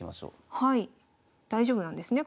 大丈夫なんですね？